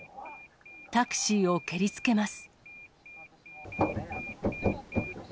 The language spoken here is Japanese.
タクシーを蹴りつけます。